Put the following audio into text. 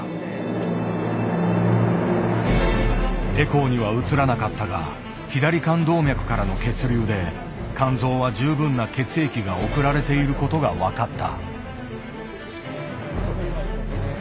エコーには映らなかったが左肝動脈からの血流で肝臓は十分な血液が送られていることが分かった。